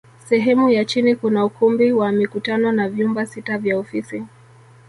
Sehemu ya chini kuna ukumbi wa mikutano na vyumba sita vya ofisi